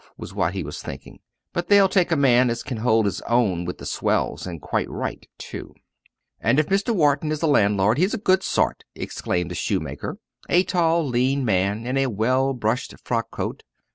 was what he was thinking. "But they'll take a man as can hold his own with the swells and quite right too!" "And if Mr. Wharton is a landlord he's a good sort!" exclaimed the shoemaker a tall, lean man in a well brushed frock coat.